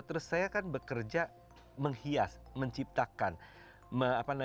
terus saya kan bekerja menghias menciptakan